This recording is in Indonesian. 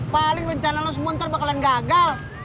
paling rencana lo sementara bakalan gagal